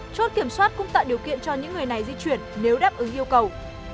chốt kiểm soát cũng tạo điều kiện cho những người này di chuyển nếu đáp ứng yêu cầu